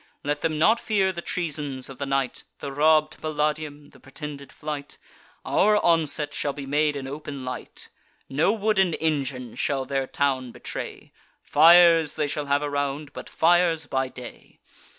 Let them not fear the treasons of the night, The robb'd Palladium, the pretended flight: Our onset shall be made in open light. No wooden engine shall their town betray; Fires they shall have around, but fires by day.